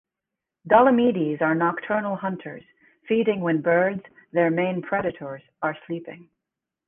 "Dolomedes" are nocturnal hunters, feeding when birds, their main predators, are sleeping.